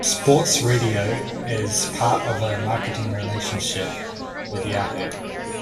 Sports Radio as part of a marketing relationship with Yahoo!